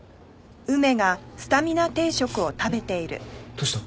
どうした？